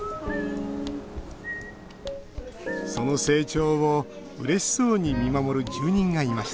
その成長を、うれしそうに見守る住人がいました。